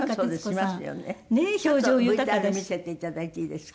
ちょっとＶＴＲ見せて頂いていいですか？